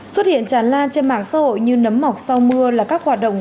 xuất hiện tràn lan trên mạng xã hội như nấm mọc sau mưa là các hoạt động